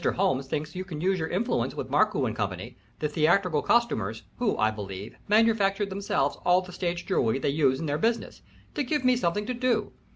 Holmes thinks you can use your influence with Markoo & Co., the theatrical costumers, who, I believe, manufacture themselves all the stage jewelry they use in their business, to give me something to do.